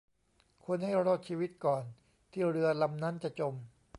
คนให้รอดชีวิตก่อนที่เรือลำนั้นจะจม